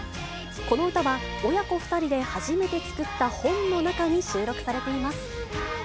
この歌は親子２人で初めて作った本の中に収録されています。